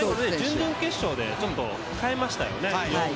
準々決勝で控えましたよね。